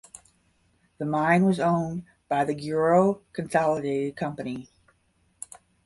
The mine was owned by the Giroux Consolidated Company.